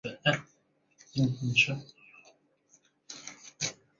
蒯越和黄祖的儿子黄射担任过章陵太守。